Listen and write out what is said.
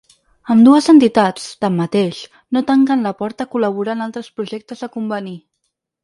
Ambdues entitats, tanmateix, no tanquen la porta a col·laborar en altres projectes a convenir.